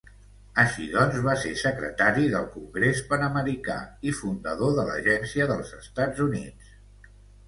Així doncs, va ser secretari del Congrés Panamericà i fundador de l'Agencia dels Estats Units.